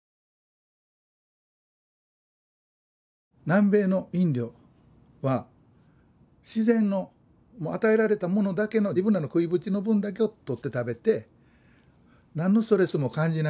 南米のインディオは自然のもう与えられたものだけの自分らの食いぶちの分だけを取って食べて何のストレスも感じなくやってる社会で。